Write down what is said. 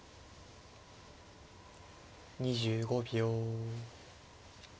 ２５秒。